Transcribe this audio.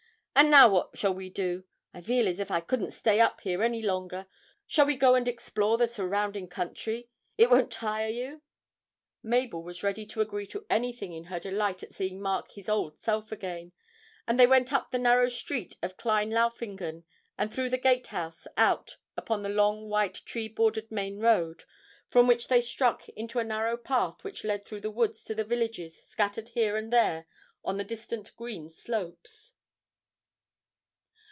And now what shall we do? I feel as if I couldn't stay up here any longer. Shall we go and explore the surrounding country? It won't tire you?' Mabel was ready to agree to anything in her delight at seeing Mark his old self again, and they went up the narrow street of Klein Laufingen, and through the gatehouse out upon the long white tree bordered main road, from which they struck into a narrow path which led through the woods to the villages scattered here and there on the distant green slopes.